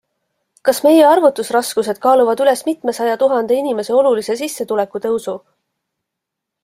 Kas meie arvutusraskused kaaluvad üles mitmesaja tuhande inimese olulise sissetulekutõusu?